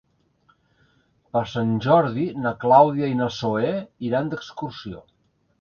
Per Sant Jordi na Clàudia i na Zoè iran d'excursió.